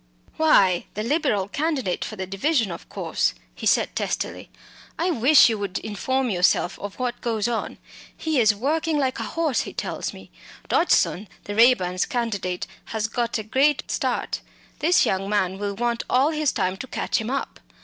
"Why, the Liberal candidate for the division, of course," he said testily. "I wish you would inform yourself of what goes on. He is working like a horse, he tells me. Dodgson, the Raeburns' candidate, has got a great start; this young man will want all his time to catch him up.